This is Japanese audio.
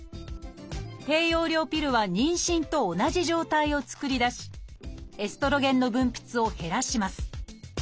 低用量ピルは妊娠と同じ状態を作り出しエストロゲンの分泌を減らします。